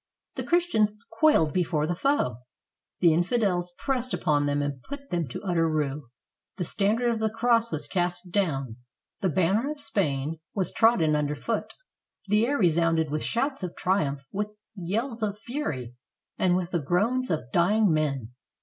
The Christians quailed before the foe; the infi dels pressed upon them and put them to utter rout; the standard of the cross was cast down, the banner of Spain 440 KING RODERICK AND THE MAGIC TOWER was trodden under foot, the air resounded with shouts of triumph, with yells of fury, and with the groans of dying men.